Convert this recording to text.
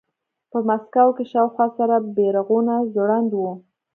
په مسکو کې شاوخوا سره بیرغونه ځوړند وو